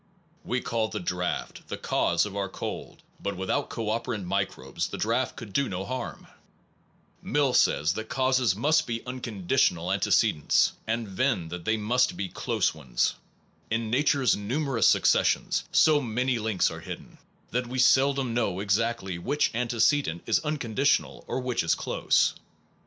We call the draft, the cause of our cold ; but without co operant microbes the draft could do no harm. Defects of ^^ Sa ^ S ^at causes HlUSt be Un the percept conditional antecedents, and Venn ual view do not warrant that they must be close ones. In scepticism nature s numerous successions so many links are hidden, that we seldom know exactly which antecedent is unconditional or which is close.